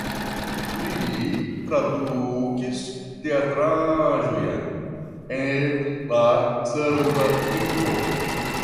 Li tradukis teatraĵojn el la serba lingvo.